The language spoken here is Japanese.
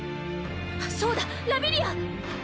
そうだラビリア！